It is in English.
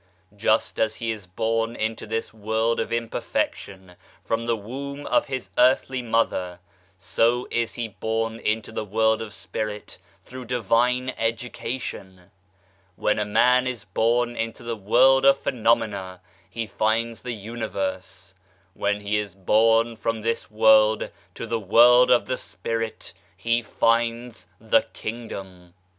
Just as he is born into this world of imperfection from the womb of his earthly mother, so is he born into the world of spirit through divine education. When a man is born into the world of phenomena he finds the Uni verse ; when he is born from this world to the world of the Spirit, he finds the Kingdom."